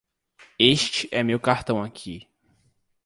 Este é meu cartão aqui.